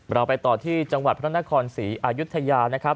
เราไปต่อที่จังหวัดพระนครศรีอายุทยานะครับ